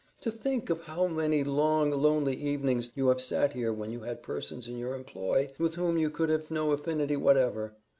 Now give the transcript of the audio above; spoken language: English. To think of how many long, lonely evenings you have sat here when you had persons in your employ with whom you could have no affinity whatever!